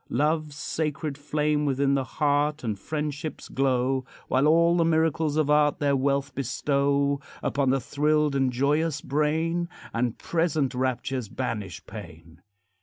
Love's sacred flame within the heart And friendship's glow; While all the miracles of art Their wealth bestow Upon the thrilled and joyous brain, And present raptures banish pain.